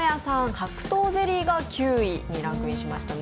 白桃ゼリーが９位にランクインしましたね。